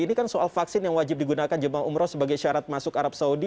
ini kan soal vaksin yang wajib digunakan jemaah umroh sebagai syarat masuk arab saudi